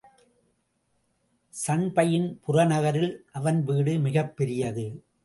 சண்பையின் புறநகரில் அவன் வீடு மிகப்பெரியது.